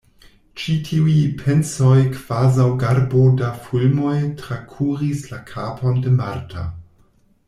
Ĉi tiuj pensoj kvazaŭ garbo da fulmoj trakuris la kapon de Marta.